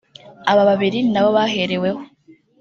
Aba babiri ni nabo bahereweho